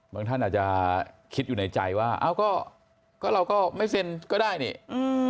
บางท่านอาจจะคิดอยู่ในใจว่าเราก็ไม่เซ็นก็ได้เนี่ย